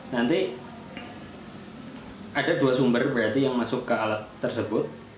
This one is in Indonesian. nanti ada dua sumber berarti yang masuk ke alat tersebut